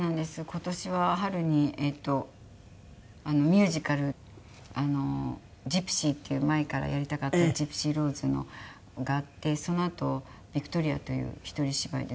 今年は春にミュージカル『ＧＹＰＳＹ』っていう前からやりたかったジプシー・ローズのがあってそのあと『ヴィクトリア』という一人芝居で。